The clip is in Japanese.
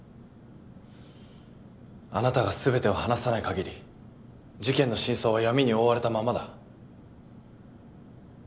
あなたが全てを話さない限り事件の真相は闇に覆われたままだ。